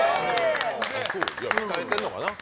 鍛えてんのかな。